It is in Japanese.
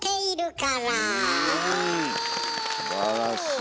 うんすばらしい。